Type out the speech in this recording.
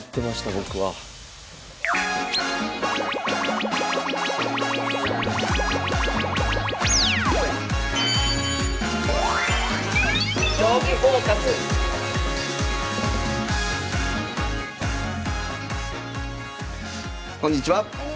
僕はこんにちは。